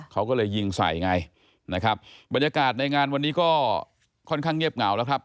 เขาก็เลยยิงใส่ไงนะครับบรรยากาศในงานวันนี้ก็ค่อนข้างเงียบเหงาแล้วครับ